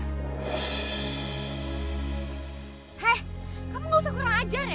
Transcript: hei kamu tidak perlu kurang ajar ya